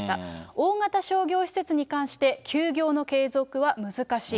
大型商業施設に関して、休業の継続は難しい。